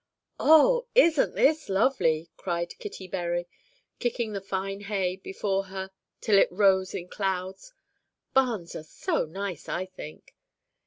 "Oh, isn't this lovely!" cried Kitty Bury, kicking the fine hay before her till it rose in clouds. "Barns are so nice, I think."